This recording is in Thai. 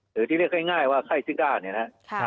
หรือที่เรียกง่ายว่าไข้สิกานี่นะ